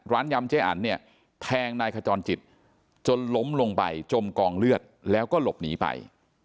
ยำเจ๊อันเนี่ยแทงนายขจรจิตจนล้มลงไปจมกองเลือดแล้วก็หลบหนีไป